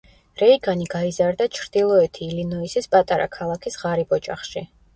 რეიგანი გაიზარდა ჩრდილოეთი ილინოისის პატარა ქალაქის ღარიბ ოჯახში.